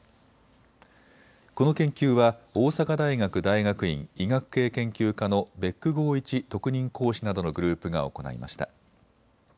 この研究は大阪大学大学院医学系研究科の別宮豪一特任講師などのグループが行いました。